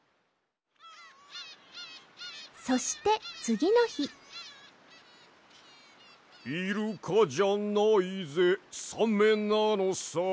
そしてつぎのひ「イルカじゃないぜさめなのさ」